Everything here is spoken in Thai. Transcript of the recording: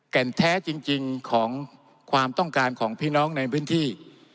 แก่นแท้จริงของความต้องการของพี่น้องในพื้นที่